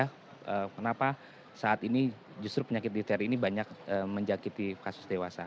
karena kenapa saat ini justru penyakit difteri ini banyak menjakiti kasus dewasa